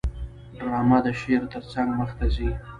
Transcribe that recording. ډرامه د شعر ترڅنګ مخته ځي